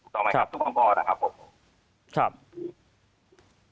ต่อไปครับทุกข้างพอนะครับผม